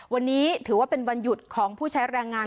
วันนี้ถือว่าเป็นวันหยุดของผู้ใช้แรงงาน